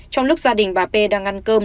trong lúc gia đình bà p đang ăn cơm